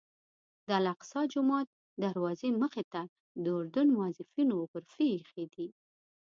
د الاقصی جومات دروازې مخې ته د اردن موظفینو غرفې ایښي دي.